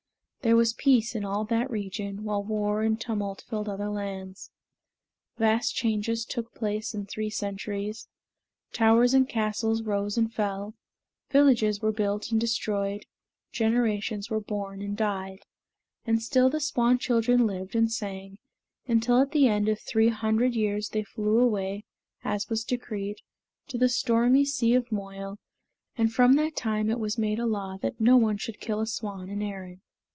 There was peace in all that region, while war and tumult filled other lands. Vast changes took place in three centuries towers and castles rose and fell, villages were built and destroyed, generations were born and died; and still the swan children lived and sang, until at the end of three hundred years they flew away, as was decreed, to the stormy sea of Moyle; and from that time it was made a law that no one should kill a swan in Erin.